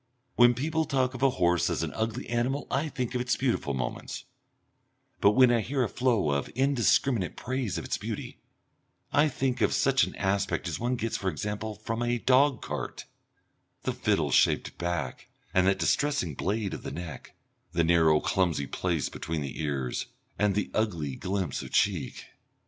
When people talk of a horse as an ugly animal I think of its beautiful moments, but when I hear a flow of indiscriminate praise of its beauty I think of such an aspect as one gets for example from a dog cart, the fiddle shaped back, and that distressing blade of the neck, the narrow clumsy place between the ears, and the ugly glimpse of cheek.